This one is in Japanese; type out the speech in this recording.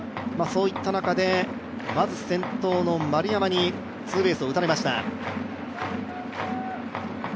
そういった中、先頭の丸山にまずツーベースを打たれました。